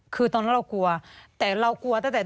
คือตอนนั้นเรากลัวแต่เรากลัวตั้งแต่